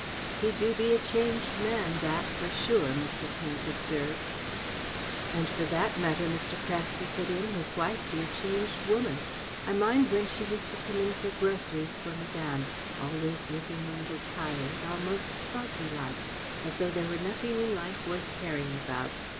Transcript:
"He do be a changed man, that, for sure," Mr. Pank observed. "And for that matter," Mr. Craske put in, "his wife be a changed woman. I mind when she used to come in for groceries for Madame, always looking a little tired, almost sulky like, as though there were nothing in life worth caring about.